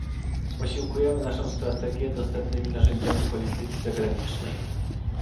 Posiłkujemy naszą strategię dostępnymi narzędziami polityki zagranicznej